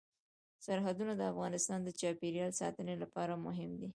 سرحدونه د افغانستان د چاپیریال ساتنې لپاره مهم دي.